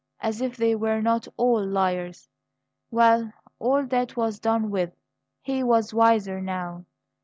As if they were not all liars! Well, all that was done with; he was wiser now.